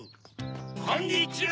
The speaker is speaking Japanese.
こんにちは。